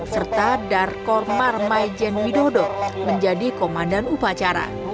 serta darkor marmae jen widodo menjadi komandan upacara